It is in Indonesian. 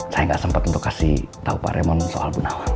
saya gak sempat untuk kasih tau pak remon soal bu nawang